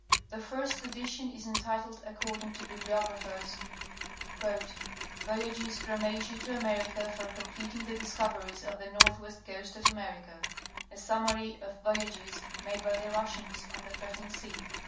The first edition is entitled, according to bibli ographies: "Voyages from Asia to America for completing the discoveries of the northwest coast of America. A summary of voyages made by the Russians on the frozen sea.